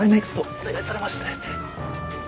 お願いされまして。